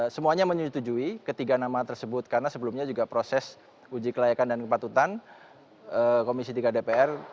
semuanya menyetujui ketiga nama tersebut karena sebelumnya juga proses uji kelayakan dan kepatutan komisi tiga dpr